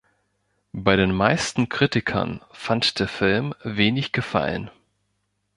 Bei den meisten Kritikern fand der Film wenig Gefallen.